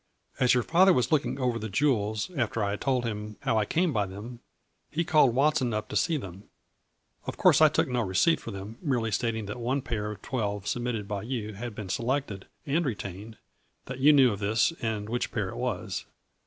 " As your father was looking over the jewels, after I told him how I came by them, he called Wat son up to see them. Of course I took no re ceipt for them, merely stating that one pair of twelve submitted by you had been selected and retained, that you knew of this and which pair it was.